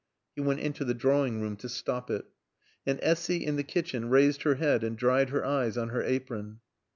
He went into the drawing room to stop it. And Essy, in the kitchen, raised her head and dried her eyes on her apron.